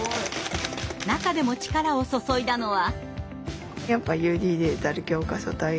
中でも力を注いだのは。